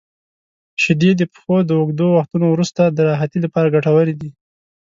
• شیدې د پښو د اوږدو وختونو وروسته د راحتۍ لپاره ګټورې دي.